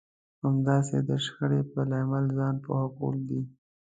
همداسې د شخړې په لامل ځان پوه کول دي.